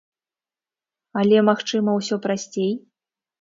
Але, магчыма, усё прасцей?